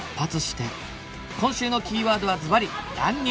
今週のキーワードはずばり「乱入」